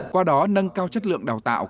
qua đó nâng cao chất lượng đào tạo